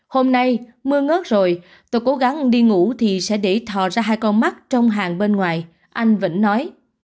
hôm nay mưa ngớt rồi tôi cố gắng đi ngủ thì sẽ để thò ra hai con mắt trong hàng bên ngoài anh vẫn nói